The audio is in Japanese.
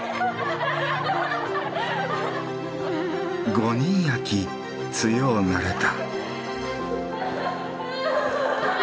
「５人やき強うなれた」。